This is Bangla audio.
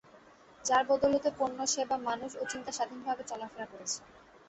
যার বদৌলতে পণ্য, সেবা, মানুষ ও চিন্তা স্বাধীনভাবে চলাফেরা করেছে।